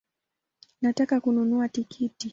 Nataka kununua tikiti